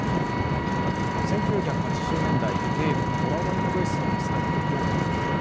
１９８０年代、ゲーム「ドラゴンクエスト」の作曲を担当。